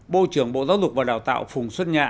bộ trưởng bộ giáo dục và đào tạo phùng xuân nhạ